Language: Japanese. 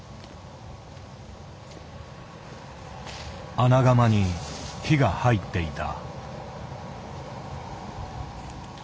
穴窯に火が入っていた。